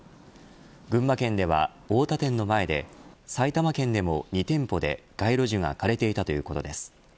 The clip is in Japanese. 群馬県では太田店の前で埼玉県でも２店舗で街路樹が枯れていたということです。